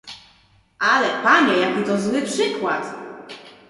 "Ale, panie, jaki to zły przykład!"